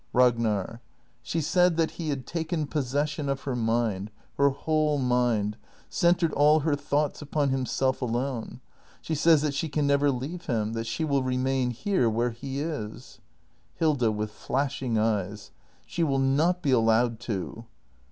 Ragnar. She said that he had taken possession of her mind — her whole mind — centred all her thoughts upon himself alone. She says that she can never leave him — that she will remain here, where h e is Hilda. [With flashing eyes.] She will not be allowed to!